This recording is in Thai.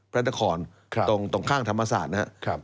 พระนครตรงข้ามธรรมศาสตร์นะครับ